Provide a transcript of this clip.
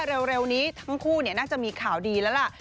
เร็วนี้ทั้งคู่น่าจะมีข่าวดีแล้วล่ะ